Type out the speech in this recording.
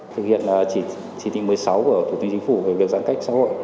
thực hiện chỉ thị một mươi sáu của thủ tướng chính phủ về việc giãn cách xã hội